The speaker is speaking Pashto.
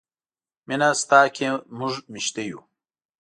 مینه ستا کې موږ میشته یو.